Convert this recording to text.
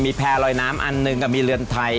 มีแพลล์ลอยน้ำอันนึงมีเรือนไทย